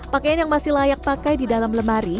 pakaian yang masih layak pakai di dalam lemari